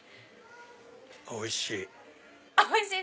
おいしい！